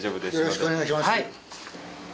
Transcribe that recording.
よろしくお願いします。